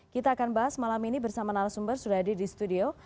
kita akan bahas malam ini bersama nara sumber sudah ada di studio